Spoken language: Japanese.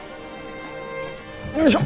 よいしょ。